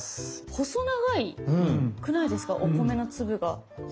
細長いくないですかお米の粒が。